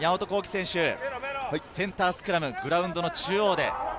センタースクラム、グラウンドの中央で。